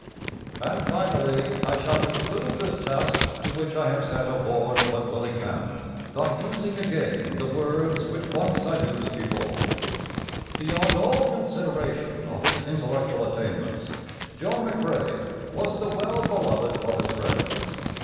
And finally I shall conclude this task to which I have set a worn but willing hand, by using again the words which once I used before: Beyond all consideration of his intellectual attainments John McCrae was the well beloved of his friends.